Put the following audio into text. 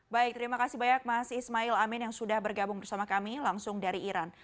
baik terima kasih banyak mas ismail amin yang sudah bergabung bersama kami langsung dari iran